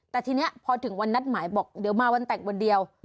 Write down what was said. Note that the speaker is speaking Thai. แต่ทีนี้พอถึงวันนัดหมายบอกเดี๋ยวมาวันแต่งวันเดียว